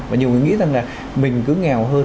và nhiều người nghĩ rằng là mình cứ nghèo hơn